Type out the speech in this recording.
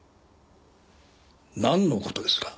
なんの事ですか？